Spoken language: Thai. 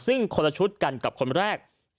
ซึ่งคนละชุดกันกับคนแรก